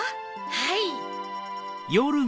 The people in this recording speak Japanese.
はい。